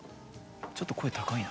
ちょっと声高いな。